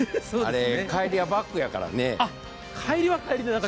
帰りはバックやからね。